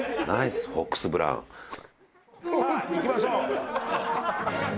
さあいきましょう。